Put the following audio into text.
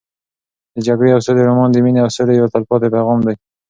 د جګړې او سولې رومان د مینې او سولې یو تلپاتې پیغام دی.